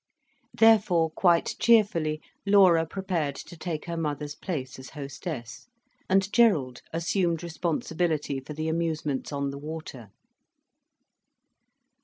Therefore, quite cheerfully Laura prepared to take her mother's place as hostess, and Gerald assumed responsibility for the amusements on the water.